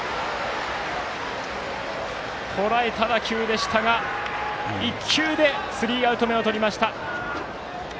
とらえた打球でしたが１球でスリーアウト目をとりました。